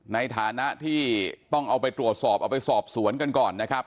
ในฐานะที่ต้องเอาไปตรวจสอบเอาไปสอบสวนกันก่อนนะครับ